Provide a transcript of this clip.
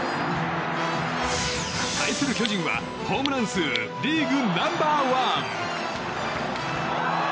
対する巨人はホームラン数リーグナンバー１。